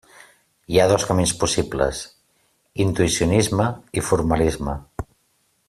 Hi ha dos camins possibles: intuïcionisme i formalisme.